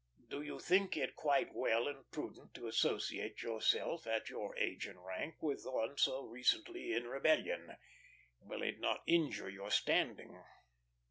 "Do you think it quite well and prudent to associate yourself, at your age and rank, with one so recently in rebellion? Will it not injure your standing?"